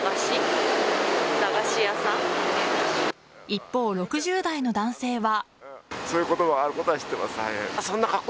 一方、６０代の男性は。